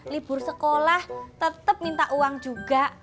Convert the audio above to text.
libur sekolah tetap minta uang juga